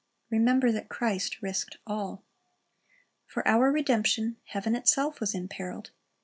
Remember that Christ risked all. For our redemption, heaven itself was imperiled.